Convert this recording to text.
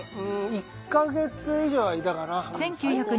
１か月以上はいたかな。